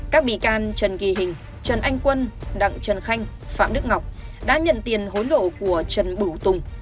các bị can trần kỳ hình trần anh quân đặng trần khanh phạm đức ngọc đã nhận tiền hối lộ của trần bửu tùng